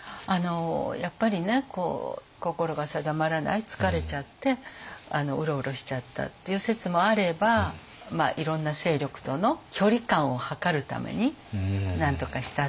やっぱりね心が定まらない疲れちゃってうろうろしちゃったっていう説もあればいろんな勢力との距離感をはかるためになんとかしたって。